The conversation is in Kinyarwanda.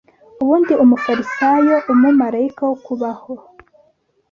ubundi Umufarisayo umumarayika wo kubaho